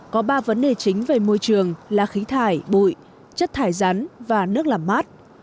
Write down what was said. có ba vấn đề chính về môi trường là khí thải bụi chất thải rắn và nước làm mát